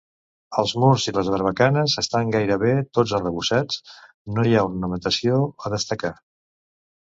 Els murs i les barbacanes estan gairebé tots arrebossats, no hi ha ornamentació a destacar.